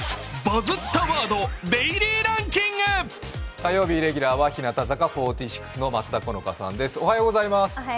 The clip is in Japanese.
火曜日レギュラーは日向坂４６の松田好花さんです。